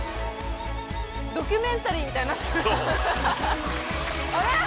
ドキュメンタリーみたいになってるそうあれ？